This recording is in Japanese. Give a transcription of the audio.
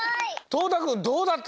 とうたくんどうだった？